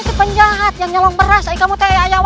sudah waktu azab